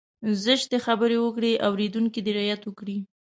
زشتې خبرې وکړي اورېدونکی دې رعايت وکړي.